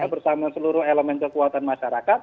bersama seluruh elemen kekuatan masyarakat